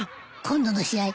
今度の試合